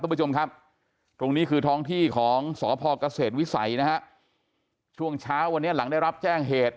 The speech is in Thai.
คุณผู้ชมครับตรงนี้คือท้องที่ของสพเกษตรวิสัยนะฮะช่วงเช้าวันนี้หลังได้รับแจ้งเหตุ